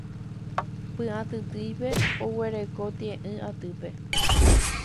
Py'atytýipe oguereko te'ỹi atýpe.